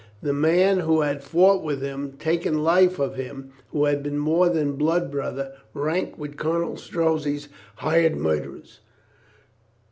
The man who had fought with him, taken life of him, who had been more than blood brother, ranked with Colonel Strozzi's hired murderers.